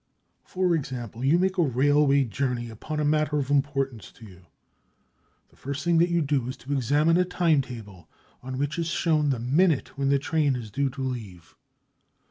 For example, you make a railway journey upon a matter of importance to you. The first thing that you do is to examine a time table on which is shown the minute when the train is due to leave.